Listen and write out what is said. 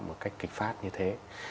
một cách kịch phát như thế